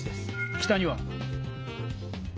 北には？